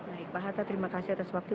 baik pak hatta terima kasih atas waktu